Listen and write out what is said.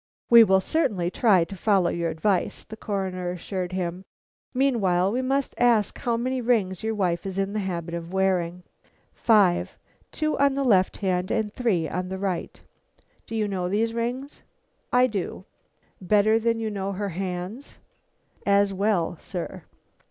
"We will certainly try to follow your advice," the Coroner assured him. "Meanwhile we must ask how many rings your wife is in the habit of wearing?" "Five. Two on the left hand and three on the right." "Do you know these rings?" "I do." "Better than you know her hands?" "As well, sir."